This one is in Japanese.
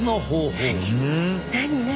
何何？